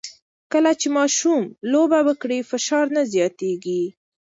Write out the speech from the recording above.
کله چې ماشومان لوبه وکړي، فشار نه زیاتېږي.